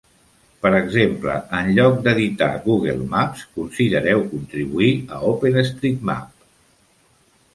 Per exemple, en lloc d'editar Google Maps, considereu contribuir a OpenStreetMap.